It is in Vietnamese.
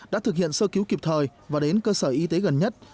đã thực hiện sơ cứu kịp thời và đến cơ sở y tế gần nhất